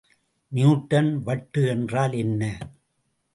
Newton வட்டு என்றால் என்ன?